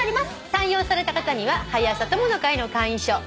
採用された方には「はや朝友の会」の会員証そして。